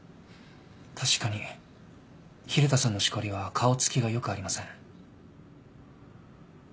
確かに蛭田さんのしこりは顔つきが良くありません。